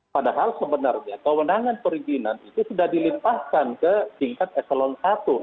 padahal sebenarnya kewenangan perizinan itu sudah dilimpahkan ke tingkat eselon i